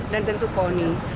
dan tentu poni